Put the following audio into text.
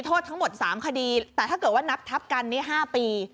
โทษทั้งหมด๓คดีแต่ถ้าเกิดว่านับทับกัน๕ปี